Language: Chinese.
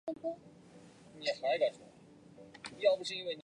但是大陆地区以外手机号用户不受影响。